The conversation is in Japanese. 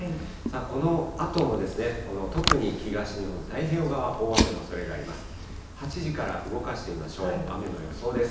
このあともこの特に東日本の太平洋側、大雨のおそれがあります。